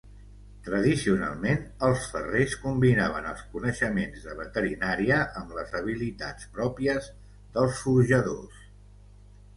Tradicionalment, els ferrers combinaven els coneixements de veterinària amb les habilitats pròpies dels forjadors.